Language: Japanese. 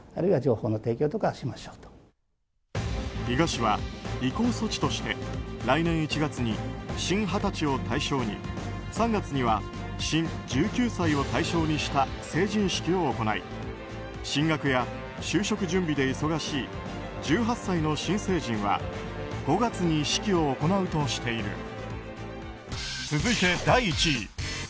伊賀市は移行措置として来年１月に新２０歳を対象に３月には新１９歳を対象にした成人式を行い進学や就職準備で忙しい１８歳の新成人は５月に式を行うとしている。